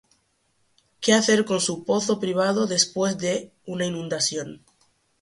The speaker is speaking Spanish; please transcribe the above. Qué hacer con su pozo privado después de una inundación